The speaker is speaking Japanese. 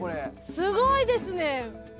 すごいですね！